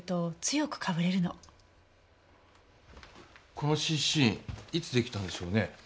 この湿疹いつできたんでしょうねえ？